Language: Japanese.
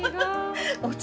お茶。